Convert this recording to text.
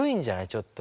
ちょっと。